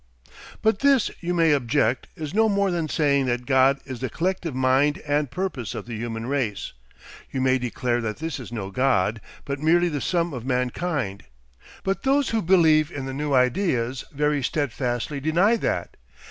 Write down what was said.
But this, you may object, is no more than saying that God is the collective mind and purpose of the human race. You may declare that this is no God, but merely the sum of mankind. But those who believe in the new ideas very steadfastly deny that.